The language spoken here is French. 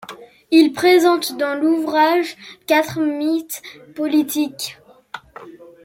Il présente dans l’ouvrage quatre mythes politiques.